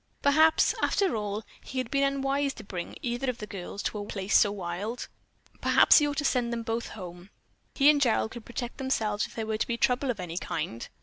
Perhaps, after all, he had been unwise to bring either of the girls to a place so wild. Perhaps he ought to send them both home. He and Gerald could protect themselves if there were to be trouble of any kind.